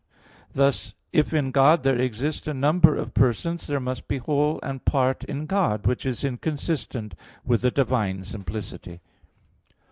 Thus, if in God there exist a number of persons, there must be whole and part in God; which is inconsistent with the divine simplicity.